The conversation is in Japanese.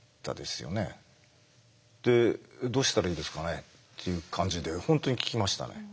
「でどうしたらいいですかね？」っていう感じで本当に聞きましたね。